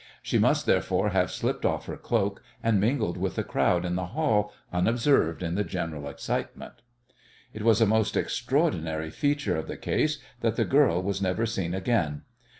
She must, therefore, have slipped off her cloak, and mingled with the crowd in the hall, unobserved in the general excitement. It was a most extraordinary feature of the case that the girl was never seen again.